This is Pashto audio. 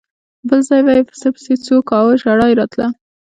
بل ځل به یې پسه پسې څو کاوه ژړا یې راتله.